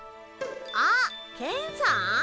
あっケンさん？